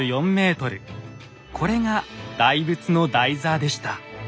これが大仏の台座でした。